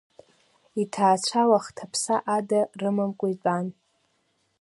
Иҭаацәа уахҭаԥса ада рымамкәа еилатәан.